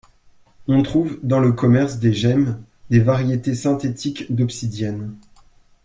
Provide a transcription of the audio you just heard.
On trouve, dans le commerce des gemmes, des variétés synthétiques d'obsidienne.